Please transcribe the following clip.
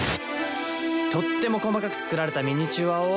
とっても細かく作られたミニチュアを。